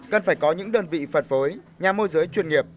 cần phải có những đơn vị phân phối nhà môi giới chuyên nghiệp